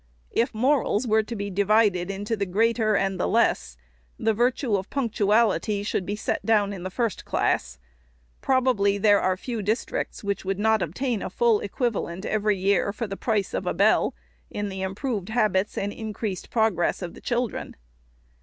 If morals were to be divided into the greater and the less, the virtue of punctuality should be set down in the first class. Prob ably there are few districts, which would not obtain a full equivalent, every year, for the price of a bell, in the im proved habits and increased progress of the children.